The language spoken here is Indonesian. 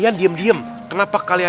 aduh enggak ada